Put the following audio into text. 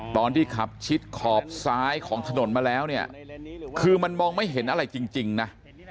ตอนที่ขับชิดขอบซ้ายของถนนมาแล้วเนี่ยคือมันมองไม่เห็นอะไรจริงนะ